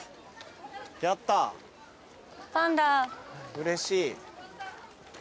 うれしい。